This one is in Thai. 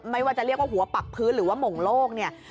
ไม่ว่าจะเรียกว่าหัวปักพื้นหรือว่าหม่งโลกเนี่ย